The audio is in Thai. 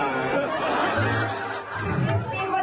มีคนดูแลกี่คน